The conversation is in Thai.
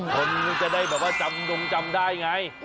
คนจะได้แบบว่าจำนงจำได้ไง